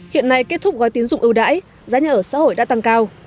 hiện nay kết thúc gói tín dụng ưu đãi giá nhà ở xã hội đã tăng cao